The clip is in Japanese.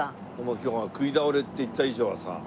今日は食い倒れって言った以上はさ